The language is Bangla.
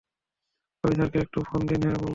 অফিসারকে একটু ফোন দিন হ্যাঁঁ, বলো।